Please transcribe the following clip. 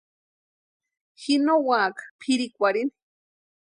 Ji no úaka pʼirhikwarhini.